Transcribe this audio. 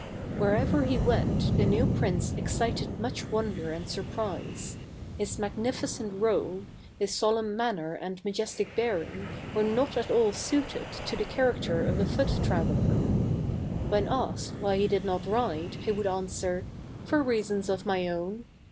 Wherever he went the new prince excited much wonder and surprise. His magnificent 194 THE CARAVAN. V M tol enrobe robe, his solemn manner and majestic bearing, were not at all suited to the character of a foot traveler. When asked why he did not ride, he would answer, " For reasons of my own."